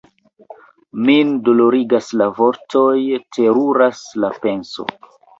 Min dolorigas la vortoj, teruras la penso!